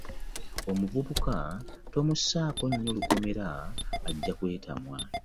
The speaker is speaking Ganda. Omuvubuka tomusako nnyo lukomera ajja kwetamwa.